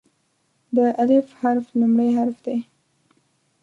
د "الف" حرف لومړی حرف دی.